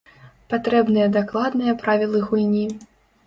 Патрэбныя дакладныя правілы гульні.